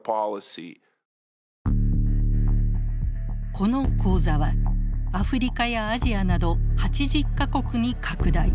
この講座はアフリカやアジアなど８０か国に拡大。